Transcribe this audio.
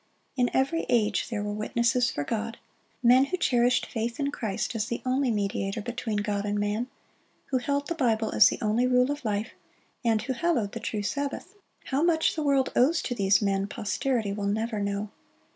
In every age there were witnesses for God,—men who cherished faith in Christ as the only mediator between God and man, who held the Bible as the only rule of life, and who hallowed the true Sabbath. How much the world owes to these men, posterity will never know.